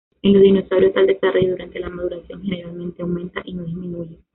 En los dinosaurios, tal desarrollo durante la maduración generalmente aumenta y no disminuye.